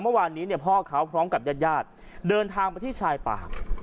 เมื่อวานนี้เนี่ยพ่อเขาพร้อมกับญาติยาดเดินทางมาที่ชายปาก